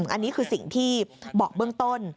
อันนี้คือสิ่งที่บอกเบื้องต้น